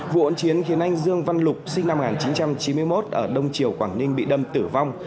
vụn chiến khiến anh dương văn lục sinh năm một nghìn chín trăm chín mươi một ở đông triều quảng ninh bị đâm tử vong